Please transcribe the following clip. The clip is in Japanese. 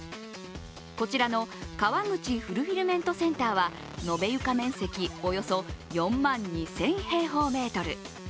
こちらの川口フルフィルメントセンターは、延べ床面積およそ４万２０００平方メートル。